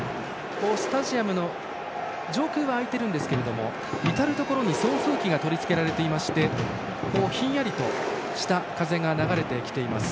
スタジアムの上空は開いていますがいたるところに送風機が取り付けられていましてひんやりとした風が流れています。